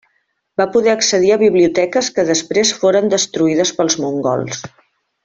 Va poder accedir a biblioteques que després foren destruïdes pels mongols.